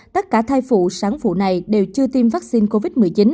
tất cả thai phụ sáng phụ này đều chưa tiêm vaccine covid một mươi chín